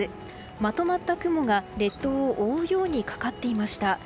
まとまった雲が列島を覆うようにかかっていました。